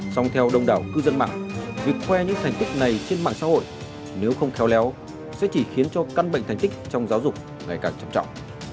song theo đông đảo cư dân mạng việc khoe những thành tích này trên mạng xã hội nếu không khéo léo sẽ chỉ khiến cho căn bệnh thành tích trong giáo dục ngày càng trầm trọng